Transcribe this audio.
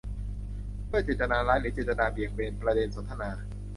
ด้วยเจตนาร้ายหรือเจตนาเบี่ยงเบนประเด็นสนทนา